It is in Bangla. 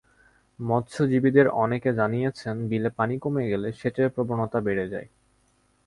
মৎস্যজীবীদের অনেকে জানিয়েছেন, বিলে পানি কমে গেলে সেচের প্রবণতা বেড়ে যায়।